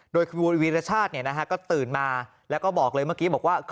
โดยคุณวีรชาติก็ตื่นมาแล้วก็บอกเลยเมื่อกี้บอกว่า